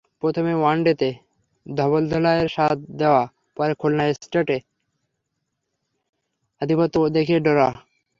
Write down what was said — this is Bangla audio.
প্রথমে ওয়ানডেতে ধবলধোলাইয়ের স্বাদ দেওয়া, পরে খুলনা টেস্টে আধিপত্য দেখিয়ে ড্র।